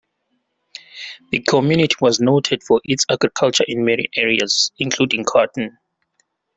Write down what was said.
The community was noted for its agriculture in many areas, including cotton.